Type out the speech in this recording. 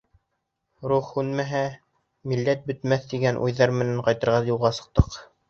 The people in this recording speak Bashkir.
Рух һүнмәһә, милләт бөтмәҫ тигән уйҙар менән ҡайтыр юлға сыҡтыҡ.